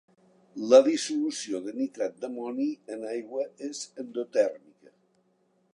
La dissolució de nitrat d'amoni en aigua és endotèrmica.